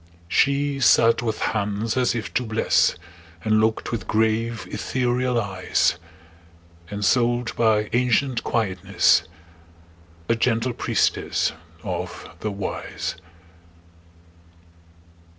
She sat with hands as if to bless, And looked with grave, ethereal eyes; Ensouled by ancient quietness, A gentle priestess of the Wise.